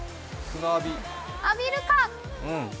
浴びるか？